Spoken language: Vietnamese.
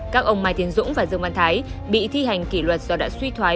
các ông mai tiến dũng và dương văn thái bị thi hành kỷ luật do đã suy thoái